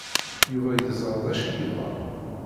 Yuba yeẓra d acu yebɣa.